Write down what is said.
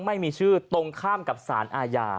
ไม่มีชื่อตรงข้ามกับสารอาญา